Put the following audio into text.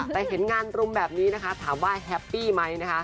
แต่เห็นงานรุมแบบนี้นะคะถามว่าแฮปปี้ไหมนะคะ